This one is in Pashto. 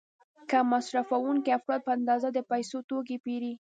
کم مصرفوونکي افراد په اندازه د پیسو توکي پیري.